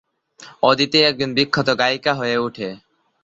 অদিতি একজন বিখ্যাত গায়িকা হয়ে ওঠে।